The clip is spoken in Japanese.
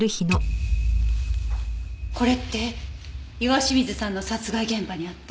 これって岩清水さんの殺害現場にあった。